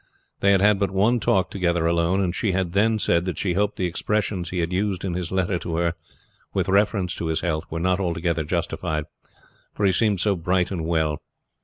They had had but one talk together alone, and she had then said that she hoped the expressions he had used in his letter to her with reference to his health were not altogether justified, for he seemed so bright and well.